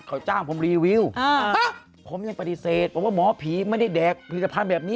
เขาจ้างผมรีวิวผมยังปฏิเสธผมว่าหมอผีไม่ได้แดกผลิตภัณฑ์แบบนี้